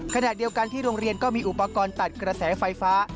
ขณะเดียวกันที่โรงเรียนก็มีอุปกรณ์ตัดกระแสไฟฟ้า